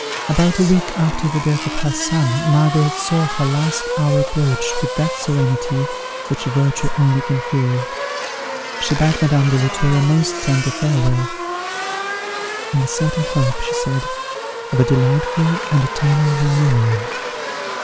About a week after the death of her son, Margaret saw her last hour approach with that serenity which virtue only can feel. She bade Madame de la Tour a most tender farewell, "in the certain hope," she said, "of a delightful and eternal re union.